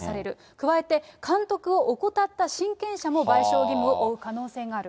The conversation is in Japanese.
加えて、監督を怠った親権者も賠償義務を負う可能性があると。